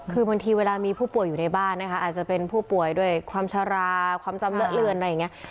คือบางทีเวลามีผู้ป่วยอยู่ในบ้านนะคะอาจจะเป็นผู้ป่วยด้วยความชะลาความจำเลอะเลือนอะไรอย่างนี้